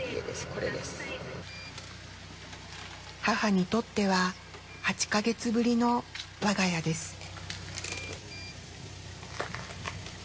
母にとっては８か月ぶりの我が家です。